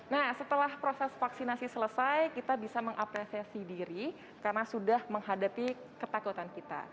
nah setelah proses vaksinasi selesai kita bisa mengapresiasi diri karena sudah menghadapi ketakutan kita